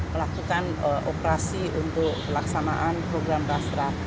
melakukan operasi untuk pelaksanaan program basra